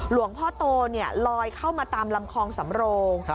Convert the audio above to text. หลวงพ่อโตลอยเข้ามาตามลำคลองสำโรง